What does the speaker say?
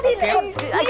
nghĩ xấu cho mỡ à